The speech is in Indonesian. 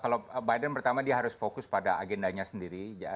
kalau biden pertama dia harus fokus pada agendanya sendiri